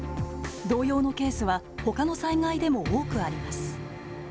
同様のケースはほかの災害でも多くあります。